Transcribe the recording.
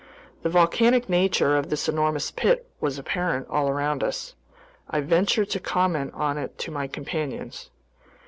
The volcanic nature of this enormous pit was apparent all around us. I ventured to comment on it to my companions.